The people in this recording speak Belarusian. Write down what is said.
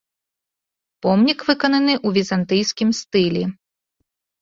Помнік выкананы ў візантыйскім стылі.